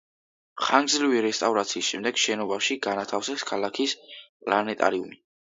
ხანგრძლივი რესტავრაციის შემდეგ შენობაში განათავსეს ქალაქის პლანეტარიუმი.